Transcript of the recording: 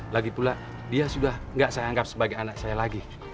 lagipula dia sudah gak saya anggap sebagai anak saya lagi